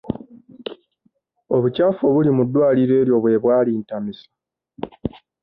Obukyafu obuli mu ddwaliro eryo bwe bwa lintamisa.